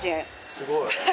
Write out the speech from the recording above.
すごい！